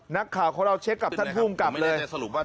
นักข่าวเขาได้เช็คกับท่านพุ่มกลับเลย